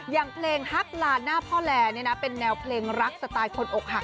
อย่างเพลงฮักลาหน้าพ่อแลเป็นแนวเพลงรักสไตล์คนอกหัก